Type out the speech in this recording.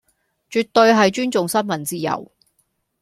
絕對係尊重新聞自由